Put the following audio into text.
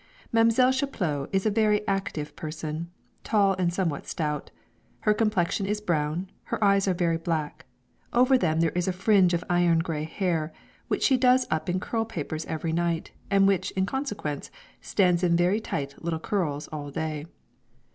Mam'selle Chaplot is a very active person, tall, and somewhat stout. Her complexion is brown; her eyes are very black; over them there is a fringe of iron grey hair, which she does up in curl papers every night, and which, in consequence, stands in very tight little curls all day.